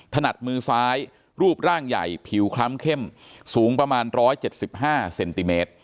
นัดมือซ้ายรูปร่างใหญ่ผิวคล้ำเข้มสูงประมาณ๑๗๕เซนติเมตร